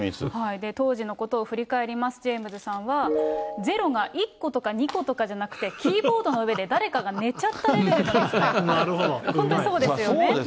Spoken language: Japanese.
当時のことを振り返ります、ジェームズさんは、ゼロが１個とか２個とかじゃなくてキーボードの上で誰かが寝ちゃったレベルのミスだよと。